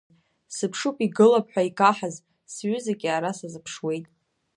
Сыԥшуп игылап ҳәа икаҳаз, сҩызак иаара сазыԥшуеит.